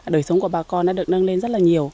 đời sống của bà con đã được nâng lên rất là nhiều